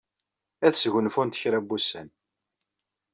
Ad sgunfunt kra n wussan.